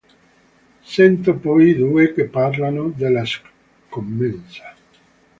Sente poi i due che parlano della scommessa.